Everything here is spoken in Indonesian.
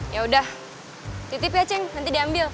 yaudah tutip ya ceng nanti diambil